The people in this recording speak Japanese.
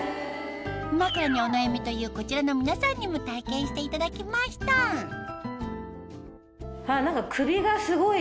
枕にお悩みというこちらの皆さんにも体験していただきました何か。